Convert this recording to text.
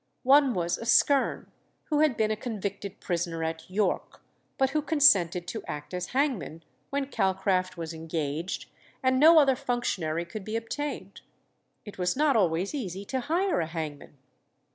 One was Askern, who had been a convicted prisoner at York, but who consented to act as hangman when Calcraft was engaged, and no other functionary could be obtained. It was not always easy to hire a hangman.